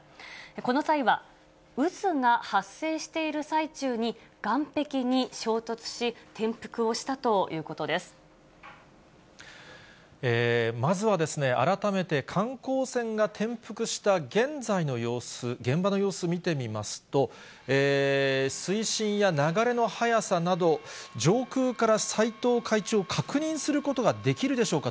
この際は、渦が発生している最中に、岸壁に衝突し、転覆をしたということでまずは改めて、観光船が転覆した現在の様子、現場の様子、見てみますと、水深や流れの速さなど、上空から斎藤会長、確認することができるでしょうか。